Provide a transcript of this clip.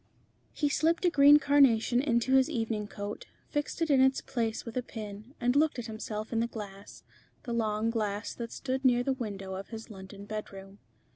He slipped a green carnation into his evening coat, fixed it in its place with a pin, and looked at himself in the glass, the long glass that stood near the window of his London bedroom.